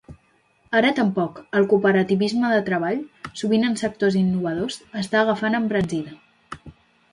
Ara tampoc, el cooperativisme de treball -sovint en sectors innovadors- està agafant embranzida.